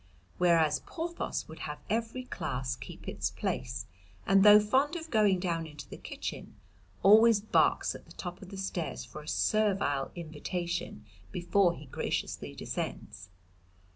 Whereas Porthos would have every class keep its place, and though fond of going down into the kitchen, always barks at the top of the stairs for a servile invitation before he graciously descends.